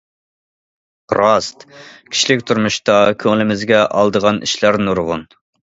راست... كىشىلىك تۇرمۇشتا كۆڭلىمىزگە ئالىدىغان ئىشلار نۇرغۇن.